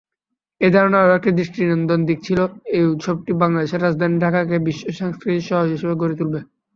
এই ধারণার আরও একটি দৃষ্টিনন্দন দিক ছিল এই উৎসবটি বাংলাদেশের রাজধানী ঢাকাকে বিশ্ব সাংস্কৃতিক শহর হিসাবে গড়ে তুলবে।